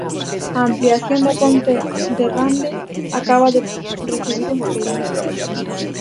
A ampliación da ponte de Rande acaba de recibir un premio.